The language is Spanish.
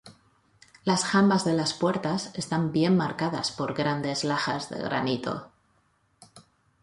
Las jambas de las puertas están bien marcadas por grandes lajas de granito.